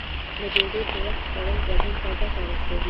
د ډوډۍ په وخت خوړل بدن ته ګټه رسوی.